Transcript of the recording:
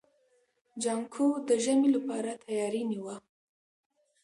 جانکو د ژمي لپاره تياری نيوه.